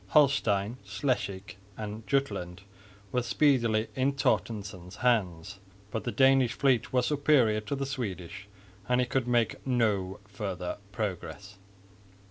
Holstein, Schleswig and Jutland were speedily in Torstensson's hands, but the Danish fleet was superior to the Swedish, and he could make no further progress.